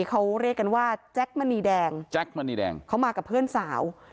เขาเรียกกันว่าแจ๊คมณีแดงแจ๊คมณีแดงเขามากับเพื่อนสาว